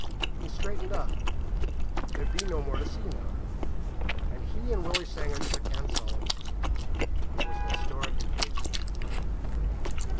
He straightened up there'd be no more to see now and he and Willie Sanger shook hands solemnly. It was an historical occasion.